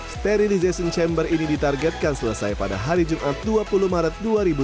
sterization chamber ini ditargetkan selesai pada hari jumat dua puluh maret dua ribu dua puluh